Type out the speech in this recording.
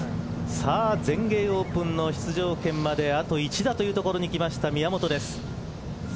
全英オープンの出場権まであと１打というところにきました、宮本です。